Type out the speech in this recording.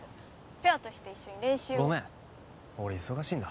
ペアとして一緒に練習をごめん俺忙しいんだ